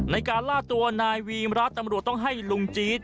ในการล่าตัวนายวีมรัฐตำรวจต้องให้ลุงจี๊ด